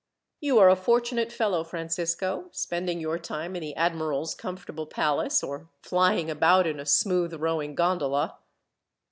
You are a fortunate fellow, Francisco; spending your time in the admiral's comfortable palace, or flying about in a smooth rowing gondola!"